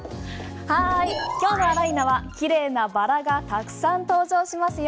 今日のあら、いーな！は綺麗なバラがたくさん登場しますよ。